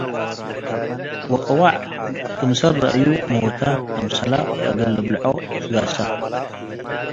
ወቅወዕ ክምሰል ረአዩ፡ ሞተ አምሰለ ከእግል ልብልዖ ትገሰ'።